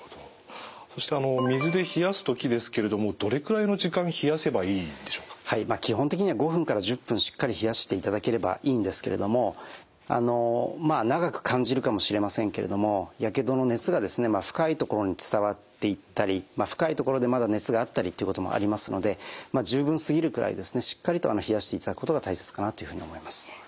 そして水で冷やす時ですけれどもはい基本的には５分から１０分しっかり冷やしていただければいいんですけれども長く感じるかもしれませんけれどもやけどの熱がですね深いところに伝わっていったり深いところでまだ熱があったりということもありますのでまあ十分すぎるくらいですねしっかりと冷やしていただくことが大切かなというふうに思います。